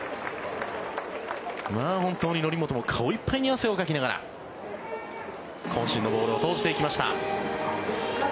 本当に則本も顔いっぱいに汗をかきながらこん身のボールを投じていきました。